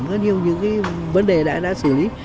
có nhiều những cái vấn đề đã xử lý